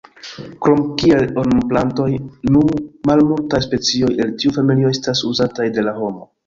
Krom kiel ornamplantoj nu malmultaj specioj el tiu familio estas uzataj de la homo.